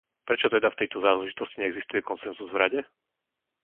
Prečo teda v tejto záležitosti neexistuje konsenzus v Rade?